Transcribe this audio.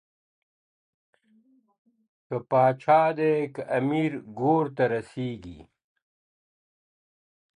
که پاچا دی که امیر ګورته رسیږي.